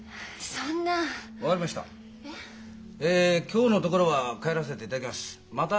今日のところは帰らせていただきます。